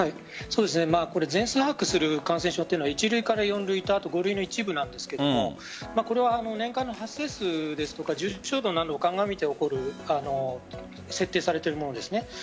全数把握する感染症は１類から４類５類の一部なんですがこれは年間の発生数ですとか重症度などを鑑みて起こる設定されているものです。